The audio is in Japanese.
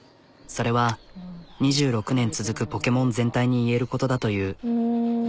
それは２６年続くポケモン全体に言えることだという。